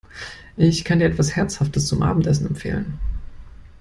Ich kann dir etwas Herzhaftes zum Abendessen empfehlen!